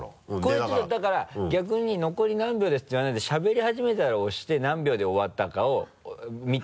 これちょっとだから逆に「残り何秒です」って言わないでしゃべり始めたら押して何秒で終わったかを見ていい？